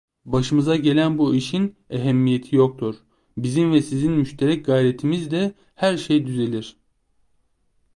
Başınıza gelen bu işin ehemmiyeti yoktur, bizim ve sizin müşterek gayretimizle her şey düzelir.